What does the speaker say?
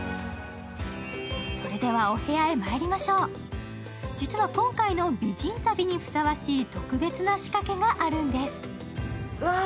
それでは、お部屋へまいりましょう実は、今回の美人旅にふさわしい特別な仕掛けがあるんです。